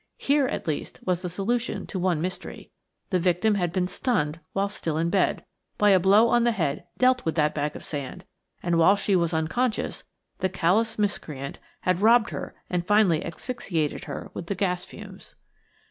Here, at least, was the solution to one mystery. The victim had been stunned whilst still in bed by a blow on the head dealt with that bag of sand; and whilst she was unconscious the callous miscreant had robbed her and finally asphyxiated her with the gas fumes.